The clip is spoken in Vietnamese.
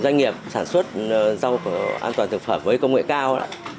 doanh nghiệp sản xuất rau an toàn thực phẩm với công nghệ cao